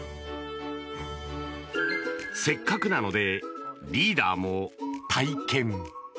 せっかくなのでリーダーも体験！